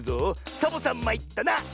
「サボさんまいったな」！